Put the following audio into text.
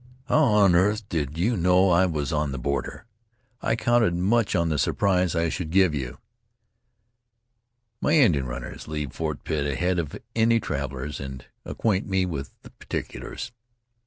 How on earth did you know I was on the border? I counted much on the surprise I should give you." "My Indian runners leave Fort Pitt ahead of any travelers, and acquaint me with particulars."